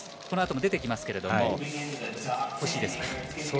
このあとも出てきますけれども欲しいですか？